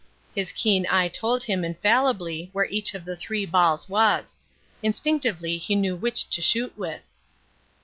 His keen eye told him infallibly where each of the three balls was; instinctively he knew which to shoot with.